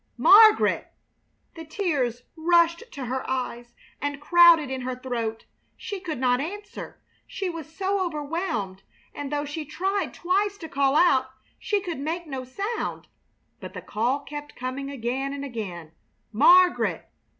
Margaret!" The tears rushed to her eyes and crowded in her throat. She could not answer, she was so overwhelmed; and though she tried twice to call out, she could make no sound. But the call kept coming again and again: "Margaret!